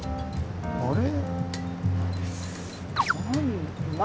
あれ？